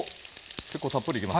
結構たっぷりいきますね！